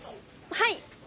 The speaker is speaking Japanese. はい。